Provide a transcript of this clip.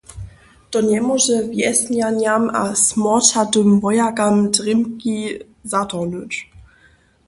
To njemóže wjesnjanjam a smorčatym wojakam drěmki zatorhnyć.